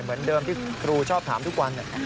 เหมือนเดิมที่ครูชอบถามทุกวัน